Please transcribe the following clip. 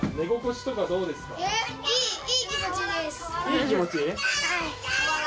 いい気持ち？